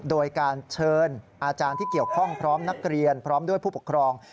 โดยการเชิญอาจารย์ที่เกี่ยวข้องพร้อมนักเรียนพร้อมด้วยผู้ปกครอง